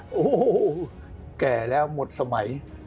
โอ้โหแก่แล้วหมดสมัย